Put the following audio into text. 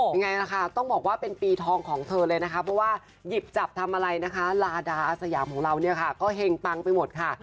ยังไงล่ะค่ะต้องบอกว่าเป็นปีทองของเธอเลยนะคะเพราะว่าหยิบจับทำอะไรนะคะลาดาอาสยามของเราเนี่ยค่ะก็เห็งปังไปหมดค่ะ